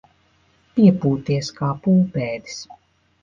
Piepūties kā pūpēdis.